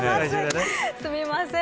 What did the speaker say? すいません。